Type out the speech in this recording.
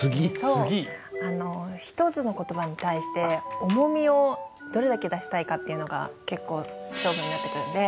一つの言葉に対して重みをどれだけ出したいかっていうのが結構勝負になってくるんで。